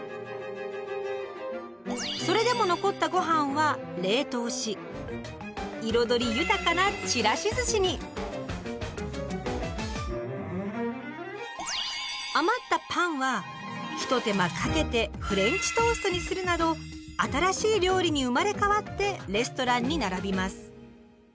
それでも残ったごはんは冷凍し彩り豊かなひと手間かけてフレンチトーストにするなど新しい料理に生まれ変わってレストランに並びます。